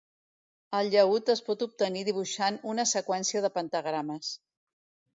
El llaüt es pot obtenir dibuixant una seqüència de pentagrames.